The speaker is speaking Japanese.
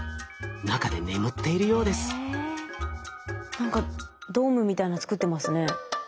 何かドームみたいの作ってますね。